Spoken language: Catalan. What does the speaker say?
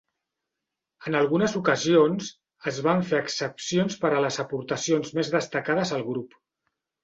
En algunes ocasions, es van fer excepcions per a les aportacions més destacades al grup.